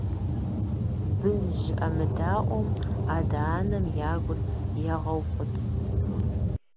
Бын жыӀэмыдаӀуэм адэ-анэм я гур егъэуфӀыцӀ.